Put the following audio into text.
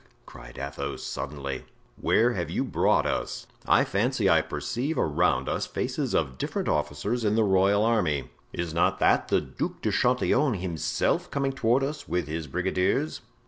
cried Athos, suddenly, "where have you brought us? I fancy I perceive around us faces of different officers in the royal army; is not that the Duc de Chatillon himself coming toward us with his brigadiers?"